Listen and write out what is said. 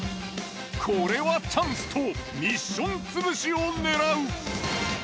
これはチャンス！とミッション潰しを狙う。